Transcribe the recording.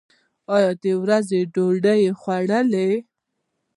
ایا د ورځې ډوډۍ خورئ؟